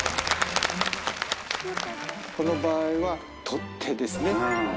この場合は取っ手ですね。